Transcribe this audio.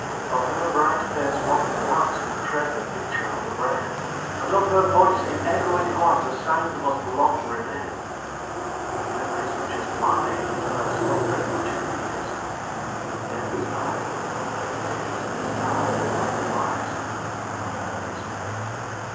Of her bright face one glance will trace a picture on the brain, And of her voice in echoing hearts a sound must long remain; But memory such as mine of her so very much endears, When death is nigh my latest sigh will not be life's but hers.